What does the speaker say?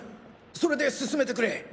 それで進めてくれ。